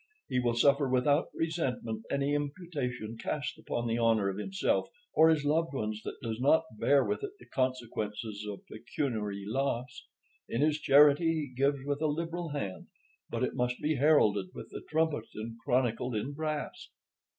He will suffer without resentment any imputation cast upon the honor of himself or his loved ones that does not bear with it the consequence of pecuniary loss. In his charity, he gives with a liberal hand; but it must be heralded with the trumpet and chronicled in brass.